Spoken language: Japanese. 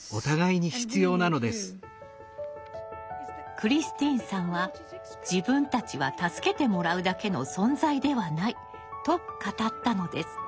クリスティーンさんは「自分たちは助けてもらうだけの存在ではない」と語ったのです。